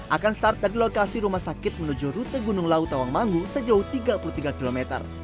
akan start dari lokasi rumah sakit menuju rute gunung laut tawangmangu sejauh tiga puluh tiga km